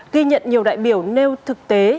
ghi nhận nhiều đại biểu nêu thực tế